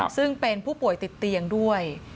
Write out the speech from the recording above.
ซึ่งเป็นผู้ป่วยติดเตียงด้วย